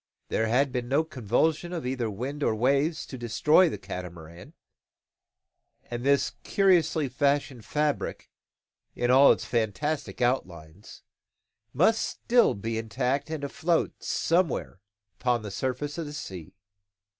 There had been no convulsion, either of winds or waves, to destroy the Catamaran; and this curiously fashioned fabric, in all its fantastic outlines, must still be intact and afloat somewhere upon the surface of the sea.